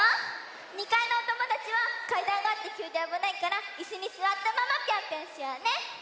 ２かいのおともだちはかいだんがあってきゅうであぶないからいすにすわったままぴょんぴょんしようね！